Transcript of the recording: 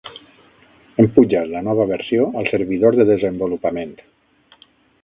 Hem pujat la nova versió al servidor de desenvolupament.